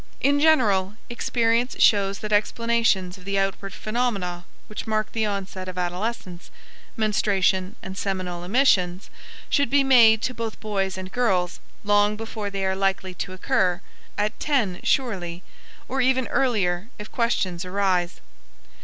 In general, experience shows that explanations of the outward phenomena which mark the onset of adolescence menstruation and seminal emissions should be made to both boys and girls long before they are likely to occur at ten, surely, or even earlier if questions arise.